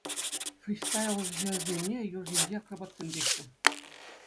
Фристайлҫӑсене юр ҫинчи акробатсем теҫҫӗ.